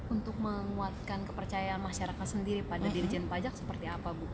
untuk menguatkan kepercayaan masyarakat sendiri pada dirjen pajak seperti apa bu